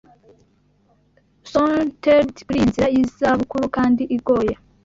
Sauntered kuriyi nzira yizabukuru kandi igoye